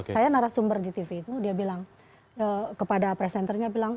saya narasumber di tv itu dia bilang